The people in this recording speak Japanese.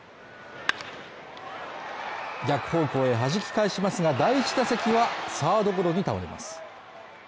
逆方向へはじき返しますが第１打席はサードゴロに倒れます。